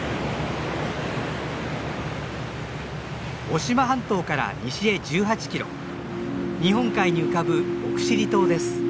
渡島半島から西へ１８キロ日本海に浮かぶ奥尻島です。